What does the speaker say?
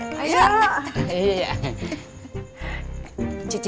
kaya ganda tuh